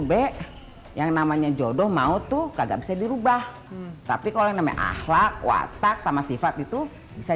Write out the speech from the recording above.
b yang namanya jodoh mau tuh kagak bisa dirubah tapi kalau yang namanya ahlak watak sama sifat itu bisa